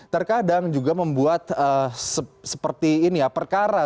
terkadang juga membuat seperti ini ya perkara